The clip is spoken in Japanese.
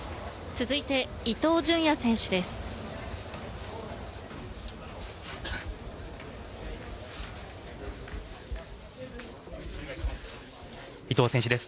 続いて伊東純也選手です。